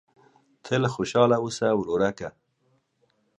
تل خوشاله اوسه ورورکه !